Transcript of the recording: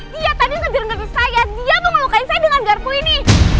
dia tadi sederhana dengan saya dia mengelukain saya dengan garpu ini